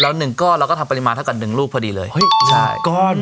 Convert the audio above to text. แล้วหนึ่งก้อนเราก็ทำปริมาณเท่ากับหนึ่งลูกพอดีเลยเฮ้ยหนึ่งก้อน